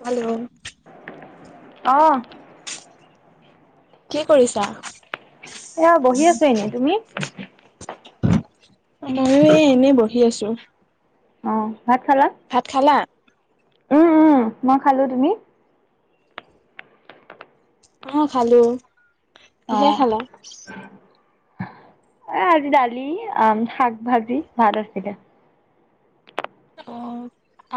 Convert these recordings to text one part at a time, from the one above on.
Hello. অ। কি কৰিছা। এয়া বহি আছো এনে তুমি। অ। ময়োে এনেই বহি। আহি আছো। অ। ভাত খালা ভাত খালা। উম উম মই খালো তুমি। অ হ খালো। অ কিহে খালা। আজি দালি, শাক ভাজি ভাত আছিলে। অ,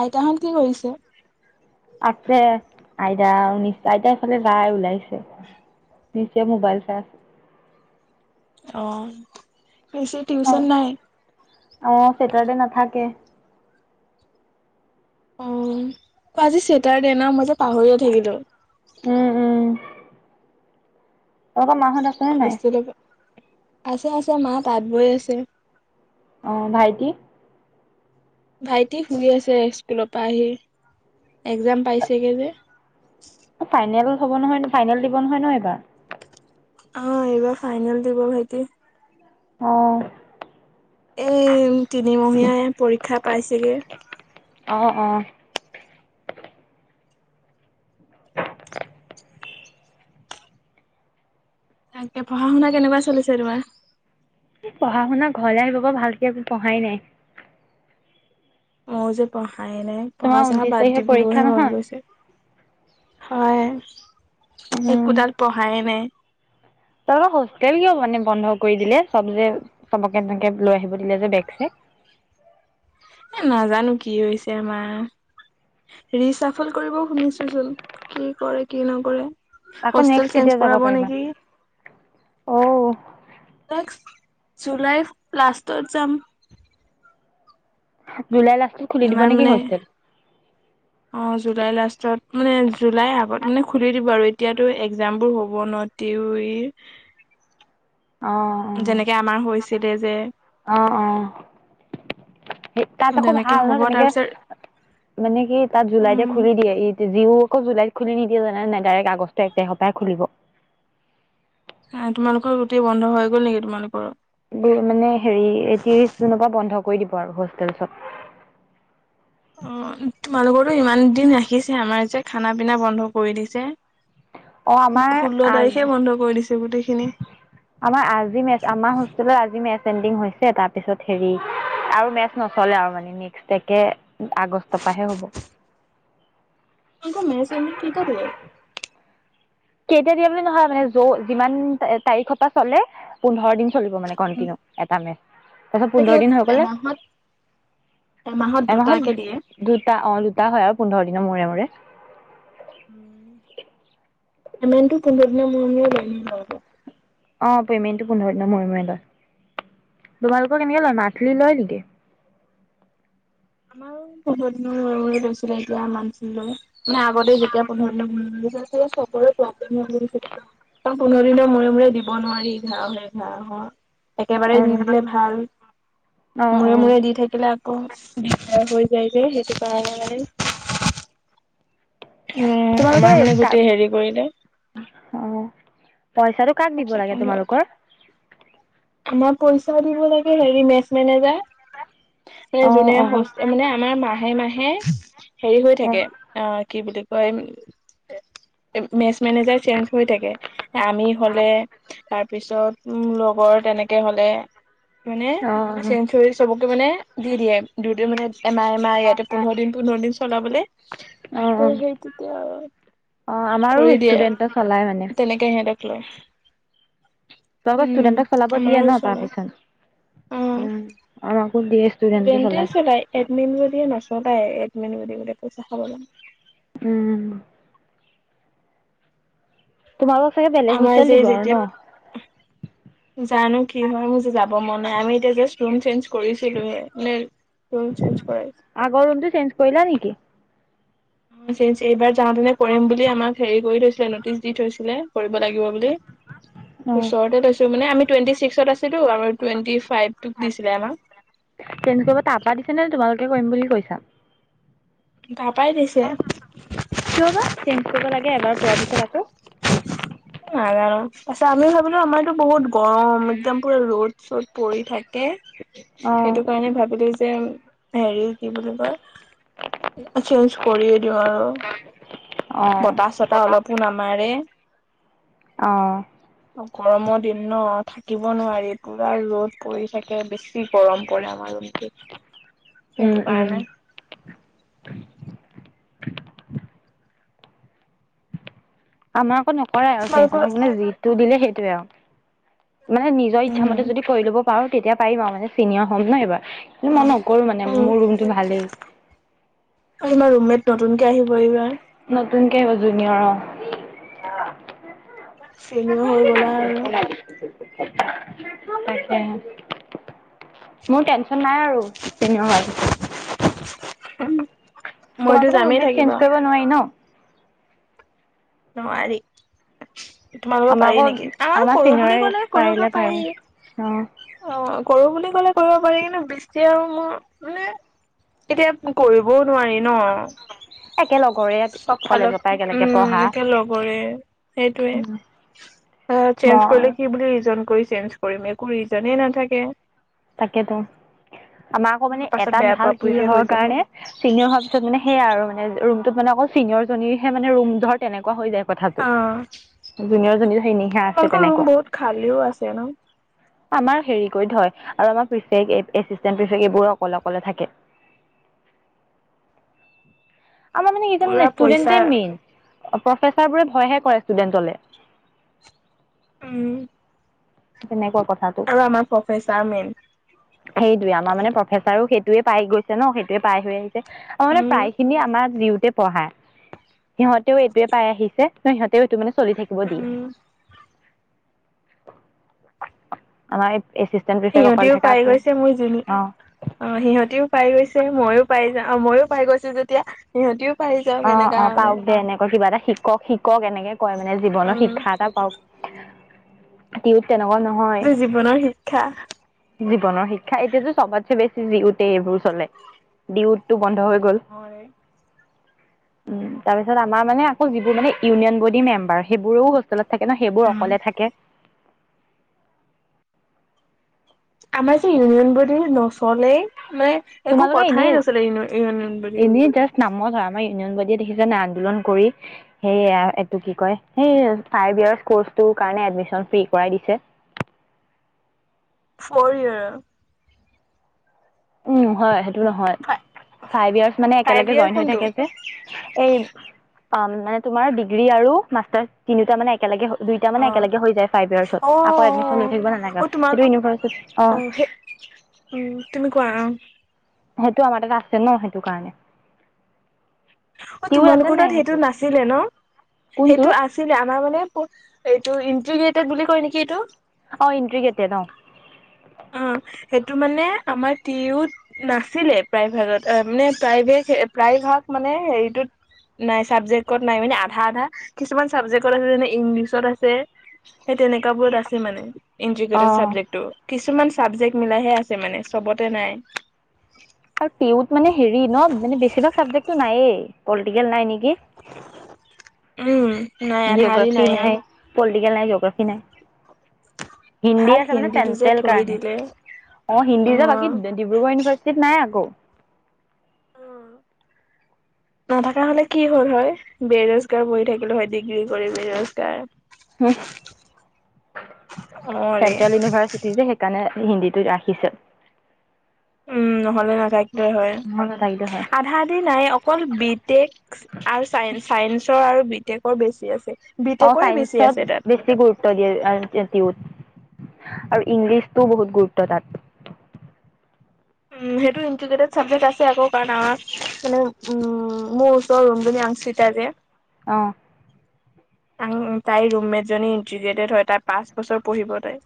আইতাহত কি কৰিছে? আছে আইতা, নি আইতা এইফালে যায় ওলাইছে, নিশ্চয় মোবাইল চাই আছে। অ। ৰিছি, টিউচন নাই? অহ, চেটাৰডে নাথাকে। অ, অ আজি চেতাৰডে ন, মই যে পাহৰিয়ে থাকিলো। উম উম। তহঁত মা হত আছেনে নাই? হোষ্টেলৰ পৰা আছে আছে মা তাঁত বৈ আছে। অ ভাইটি? ভাইটি শুই আছে, স্কুলৰ পৰা আহি। এক্জাম পাইছেগে যে। ফাইনেল। হ'ব নহয় ফাইনেল দিব নহয় ন এইবাৰ? অ এইবাৰ ফাইনেল দিব ভাইটি। অ। এ। তিনিমহীয়া পৰীক্ষা। ক্ষা পাইছেগে। অ অ। তাকে পঢ়া, শুনা কেনেকুৱা চলিছে তোমাৰ? পঢ়া শুনা ঘৰলৈ আহিব বাৰ ভালকে একো পঢ়াই নাই। মই যে পঢ়া। য়ে নাই, তোমাৰ পঢ়া চহা ঊনত্ৰিশ বাদ তাৰিখে পৰীক্ষা দিবোৰহে মন নহয় গৈছে। হয়। একোডাল পঢ়াই নাই। তহঁতৰ হোষ্টেল কিয় মানে বন্ধ কৰি দিলে, চব যে চবকে তেনেকে লৈ আহিব দিলে যে বেগখিনি? এ নাজানো কি হৈছে আমাৰ, ৰিচাফল কৰিব শুনিছো চোন, কি কৰে কি নকৰে। আকৌ হোষ্টেল নেক্সট চেঞ্জ কেতিয়া যাব কৰাব পাৰিবা? নেকি অ। জুলাই লাষ্টত যাম। জুলাই লাষ্টত। খুলি দিব ইমান নেকি মানে হোষ্টেল? অ জুলাই লাষ্টত মানে জুলাইৰ আগত মানে খুলি দিব আৰু এতিয়াতো এক্জামবোৰ হ'ব ন তেওঁ ই। অ যে অ অ অ, সেই তাত আকৌ তেনেকে ভাল ন হ'ব তেনেকে, তাৰপিছত মানে কি তাত জুলাইতে উম খুলি দিয়ে যি আকৌ জুলাইত। খুলি নিদিয়ে জানে নাই ডাইৰেক্ট আগষ্ট এক তাৰিখৰপাই খুলিব। তোমালোকৰ গোটেই বন্ধ হৈ গ'ল নেকি, তোমালোকৰ? বোৰ মানে হেৰি ত্ৰিশ জুনৰ পৰা বন্ধ। কৈ দিব আৰু হোষ্টেলচত। অ তোমালোকো ইমান দিন ৰাখিছে আমাৰ যে খানা পিনা বন্ধ কৰি দিছে। অ আমাৰ ষোল্ল আজ তাৰিখে বন্ধ কৰি দিছে গোটেইখিনি। আমাৰ আজি মে আমাৰ হোষ্টেলৰ আজি মে। চেনদিং হৈছে তাপিছত হেৰি আৰু মেচ নচলে আৰু মানে মিক্সেতেকে। আগষ্ট পাহে হ'ব। [inaudible] মে চনে কেইতা দিয়ে। কেইতা দিয়া বুলি নহয় মানে যৌ যিমান তাৰিখৰ পৰা চলে পোন্ধৰ দিন। চলিব মানে কন্টিনউ এটা মে তাৰপিছত তাকে পোন্ধৰ দিন হৈ গলে এমাহত দুটাকে এমাহত দিয়ে। দুটা অ দুটা হয় আৰু পোন্ধৰ দিনৰ মূৰে মূৰে। [inaudible] হেমেনটো কোনদিনা মৰমে গমান প। অ পেমেণ্টটো পোন্ধৰ দিনৰ মূৰে মূৰে লয় তোমালোকৰ কেনেকে লয় মা্থলি লয় নেকি। আমাৰ পোন্ধৰ দিনৰ মূৰেমূৰেত হৈছিলে। এতিয়া মানে, মানে আগতে যেতিয়া পোন্ধৰ দিনৰ মূৰে মূৰে দিব নোৱাৰি চবৰে প্ৰব্লেম হৈ গৈ ন। ত প কোনোদিনৰ মূৰে মূৰে দিব নোৱাৰি এঘাঁ এঘাৰ একেবাৰে অ নি দিলে ভাল অ মূৰে অ মূৰে দি থাকিলে। অহ। দিঘা হৈ যায় যে সেইটো কাৰণে মানে। উম। তোমালোকৰ আমাৰ মানে কাক গোটেই হেৰি কৰিলে। অ পইচাটো কাক দিব লাগে তোমালোকৰ। আমাৰ পইচা দিব লাগে হেৰি মেচ মেনেজাৰ। নে অ যোনে অ মানে আমাৰ মাহে মাহে হেৰি হৈ অ থাকে অ কি বুলি। তই মে মেচ মেনেজাৰ চেঞ্জ হৈ থাকে হে আমি। হ'লে। তাৰপিছত উম লগৰ তেনেকে হলে। মানে অ', সেঞ্চ চবকে। টো মানে দি দিয়ে দুই, দুই মানে। এমাহ, এমাহ ইয়াতে পোন্ধৰ দিন, পোন্ধৰ দিন। চলাবলে। অ', ত' সেইতেতিয়া আৰু অ', আমাৰো কৰি দিয়ে ষ্টুডেন্টে চলাই মানে। তেনেকে সিহঁতক। লয়। তই আকৌ উম ষ্টুডেন্টক চলাব দিয়ে আমাৰো ন চলাই পাৰ্মিচন উম অ কো দি। ষ্টুডেণ্টে চলাই এডমিন জনিয়ে নচলায়। পইচা খাব লাগে। উম। তোমালোকক চাগে বেলেগ আমাৰ হোষ্টেল যে দিব আৰু ন? যেতিয়া জানো কি হয় মোৰ যে যাব মন নাই আমি এতিয়া জাষ্ট ৰুম চেঞ্জ কৰিছিলোহে নে ৰুম চেঞ্জ কৰা। আগৰ ৰুমটো চেঞ্জ কৰিলা নেকি? চেঞ্জ। এইবাৰ যাওঁতে যে কৰিম বুলি আমাক হেৰি কৰি থৈছে। ন'টিচ দি থৈছিলে- কৰিব লাগিব বুলি। অ', ওচৰতে লৈছো মানে, আমি- টুৱেণ্টি ছিক্সত আছিলো, আৰু টুৱেন্টিফ। তেনকে তাৰপৰাই দিছিলে নে, তোমাক। কি কৰিম বুলি কৈছা? তাৰপাই দিছে কিয় বা' চেঞ্জ কৰিব লাগে, এবাৰ পোৱাৰ পিছত আকৌ। নাজানো। তাৰপিছত ভাবিলো, আমাৰতো বহুত গৰম একদম পুৰা ৰ'দ, চ'দ পৰি থাকে। অ', সেইটো কাৰণে ভাবিলো- হেৰি কি বুলি কয়- চেঞ্জ কৰিয়ে দিও আৰু। অ', বতাহ, চতাহ অলপো নামাৰে, অ', গৰমৰ দিন ন ঠাণ্ড থাকিব নোৱাৰি, পুৰা ৰ'দ পৰি থাকে, বেছি গৰম পৰে আমাৰ ৰুমটোত- উম, সেইটো উম, কাৰণে। [unintelligible] আমাৰ একো নাই। পৰে আৰু খনত তোমালোকৰ মানে, যিটো দিলে সেইটোৱে আৰু- মানে, নিজৰ ইচ্ছা উম মতে যদি কৰি ল'ব- পাৰু, তেতিয়া পাৰিবা আৰু মানে' চিনিয়ৰ হ'ম ন এইবাৰ। কিন্তু' অ মই নকৰো মানে, অ মোৰ ৰুমটো ভালেই। আৰু তোমাৰ ৰুমমেট নতুনকে আহিব এইবাৰ। নতুনকে আহিব জুনিয়ৰ, অঁহ। চিনিয়ৰ হৈ গ'লা আৰু। তাকে, মোৰ টেনচন নাই আৰু, চিনিয়ৰ হোৱাৰ পিছত। উম। তোমালোকে তো ৰুম মেট চেঞ্জ কৰিব নোৱাৰি ন? নোৱাৰি। তোমালোকক কৰিব আমাৰ পাৰি আকৌ নেকি? আঁহ আমাৰ কৰো বুলি চিনিয়ৰে কলে কৰিব পাৰিলে পাৰি। পাৰে অ অঁ কৰো বুলি ক'লে কৰিব পাৰি, কিন্তু' বৃষ্টি আৰু মোৰ মানে, এতিয়া কৰিবও- নোৱাৰি ন'। একে লগৰে চব ফাল'ত কলেজৰ পৰা একেলগে উম, পঢ়া একে লগৰে সেইটোয়ে চেঞ্জ মই কৰিলে কি' বুলি ৰিজন- একো ৰিজনে নাথাকে। তাকেতো। আমাৰ আকৌ মানে, পাছত এটাত বেয়া ভাল পোৱা পুইহে কিহৰ হৈ যাব অ কাৰণে চিনিয়ৰ হোৱাৰ পিছত মানে, সেইয়াই আৰু মানে- ৰুমটোত মানে, অকল চিনিয়ৰজনী'হে মানে ৰুম, ধৰ তেনেকুৱা হৈ যায়। কথাটো অ জুনিয়ৰ জনী সেই নিশা আছে তোমালোকৰ তেনেকুৱা ৰুম বহুত খালীও আছে ন আমাৰ হেৰি কৰি থয়। আৰু আমাৰ ফিস্কচাৰি এচিষ্টেণ্টটো বৰ অকলে অকলে থাকে, আমাৰ মানে পুৰা কিছুমান পইচা ষ্টুডেটেই মেইন। প্ৰফেচাৰবোৰে ভয়হে কৰে ষ্টুডেন্টলে উম! তেনেকোৱা, কথাটো আৰু আমাৰ প্ৰফেচাৰ মেইন সেইটোয়ে আমাৰ মানে প্ৰফেচাৰো সেই সেইটোয়ে পাই গৈছে ন সেইয়ে পাই হৈ আহি। মানে উম প্ৰায় খিনি আমাৰ পঢ়া সিহঁতেও এইটোৱে পাই আহিছে ত সিহঁতেও এইটো মানে চলি থাকিব দিয়ে। [inaudible] উম আমা সিহঁতিও পাই গৈছে মোৰ জ অ অ সিহঁতিও পাই গৈছে। মইয়ো পাই যা ময়ো পাই গৈছো যেতিয়া সিহঁতিও, পাই যাওক অ এনেকা অ মানে পাওক দে এনেক কিবা এটা! শিকক শিক কওক এনেকে কয় মানে জীৱনৰ উম শিক্ষা এটা পাওঁক। ডিউত তোৰ জীৱনৰ শিক্ষা জীৱনৰ শিক্ষা এতিয়াতো চবছে বেছি জিউতে এইবোৰ চলে ডিউতো বন্ধ হৈ গ'ল হয় উম তাৰ পিছত আমাৰ মানে আকৌ যিবোৰ মানে ইউনিয়ন বডি মেম্বাৰ সেইবোৰৰেও হোষ্টেলত থাকে ন সেইবোৰ উম অকলে থাকে আমাৰ যে ইউনিয়ন বৰ্ডী নচলেই মানে একো তোমালোকে কথাই এনেই নছলে ইউনিয়ন বুলি এনেই জাষ্ট নামত হয় আমাৰ ইউনিয়ন বডি দেখিছে নে আন্দোলন কৰি সেই এইটো কি কয় সেই ফাইভ য়াৰ্চ কৰ্চটো কাৰণে এডমিচন ফ্ৰী কৰাই দিছে প ৰিও উম হয় সেই এইটো নহয় ফাইভ যাৰ্চ মানে ফাইভ একেলগে ইয়েৰ জইন হৈ কোনটো থাকে যে এই মানে তোমাৰ ডিগ্ৰী আৰু মাষ্টাৰ তিনিটা মানে একেলগে দুইটা মানে অ', একেলগে হৈ যায় ফাইভ ইয়াৰ্চত অ', আকৌ এডমিশন লৈ অ', থাকিব নালাগা অ', তোমাৰ সেইটো ইউনিভাৰ্চিত অ উম, তুমি কোৱা অ সেইটো আমাৰ তাত আছে ন সেইটো কাৰণে অ টিউৰ আছে তোমালোকৰ নাই তাত সেইটো নাছিলে ন কোনটো সেইটো আছিলে আমাৰ মানে এইটো ইণ্টিগ্ৰেটেড বুলি কয় নেকি এইটো অ ইণ্টিগ্ৰেটেড অ অ', সেইটো মানে আমাৰ টি ইউত নাছিলে প্ৰাইভেটত অ মানে প্ৰাইভে প্ৰায়ভাগ মানে হেৰিটোত নাই চাবজেক্টত নাই মানে আধা আধা কিছুমান চাবজেক্টত আছে যেনে ইংলিছত আছে সেই তেনেকুৱাবোৰত আছে মানে অ ইনতৃগেতেত ছাবজেক্টটো কিছুমান চাবজেক্ট মিলাইহে আছে মানে চবতে নাই আৰু পিউত মানে হেৰি ন পিগেল নাই নিকি উম নাই আধা আধি জিঅ'গ্ৰাফি নাইয়ে নাই পল তিকেল নাই যগ্ৰাফী নাই হিন্দী ভাল আছে মানে হিন্দীটো যে চেন্ট্ৰেল থৈ কাৰণে দিলে অ হিন্দী যে বাকী ডি ডিব্ৰুগড় ইউনিভাৰ্চিটিত নাই আকৌ নথকা হলে কি হ'ল হয় বেৰজগাৰ বঢ়ি থাকিলো হয় ডিগ্ৰী কৰি বেৰোজগাৰ হ অ ৰে চেন্ট্ৰেল ইউনিভাৰ্চিটি যে সেইকাণে হিন্দীটোত ৰাখিছে উম নহ'লে নাথাক কিলে হয় নহ'লে নাথাকিলে হয় আধা আধি নাই অকল বি টেকছ আৰু চাই চাইন্সৰ আৰু টেকৰ বেছি আছে বি অ টেকৰে বেছি আছে চাইন্সত তাত বেছি গুৰুত্ব দিয়ে অ আ টিওত আৰু ইংলিছটোও বহুত গুৰুত্ব তাত। উ সেইটো ইট্ৰটেড চাবজেক্ট আছে আকৌ কাৰণ আমাৰ মানে উ মোৰ ওচৰ ৰোম জনি আৰ্শিতা যে অ। আউ তাইৰ ৰুমমেট জনী ইণ্টিগ্ৰেটেড হয় তাই পাঁচ বছৰ পঢ়িব তাই।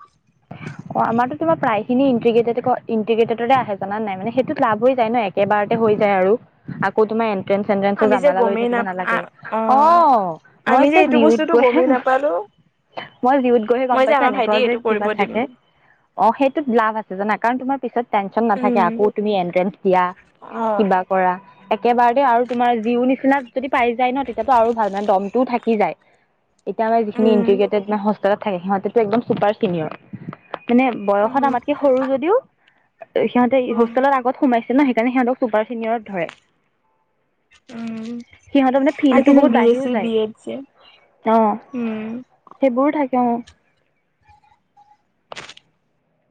অ আমাৰতো তোমাৰ প্ৰায়খিনি ইটিগ্ৰটেডত ক ইটিগ্ৰটেড আহে জান নাই মানে সেইটোত লাভ হৈ যায় ন একেবাৰতে হৈ যায় আৰু। আকৌ তোমাৰ এণ্ট্ৰেঞ্চ আমি যে জামালা লৈ গমেই থাকিব নাপ নালাগে অ মই আমি যে যেতি এইটো জিউত বস্তুটো গৈহে গমেই নাপালো মই জিউত গৈহে গম মই যে পাইছো আমাৰ এনেকুৱা ভাইটিক যে এইটো কৰিব কিবা দিম। থাকে অ সেইটোত লাভ আছে জানা কাৰণ তোমাৰ পিছত টেনশ্যন নাথাকে উম, আকৌ তুমি এট্ৰেঞ্চ দিয়া কিবা অ' কৰা। একেবাৰতে আৰু তোমাৰ যিও নিচিনা যদি পাই যায় ন তেতিয়াতটো আৰু ভাল। মানে দমটোও থাকি যায়। এতিয়া মানে যিখিনি উম, ইণ্টিগ্ৰেটেড মানে হষ্টেলত থাকে, সিহঁতেতো একদম চুপাৰছ চিনিয়ৰ। মানে বয়সত উম, আমাতকে সৰু যদিও সিহতে উম, হোষ্টেলত আগত সোমাইছ সেইদিনা সেইকাৰণে সিহঁতক চুপাৰ চিনিয়ৰত ধৰে উম। সিহঁতৰ মানে আৰু কি ফিল্ডটো যে বহুত বি এছ চি, বাঢ়িও বি এড যে যায় অ। উম। সেইবোৰো থাক অ।